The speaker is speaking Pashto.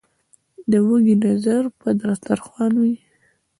ـ د وږي نظر په دستر خوان وي.